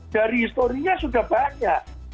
dari historinya sudah banyak